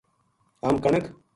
ہم کنک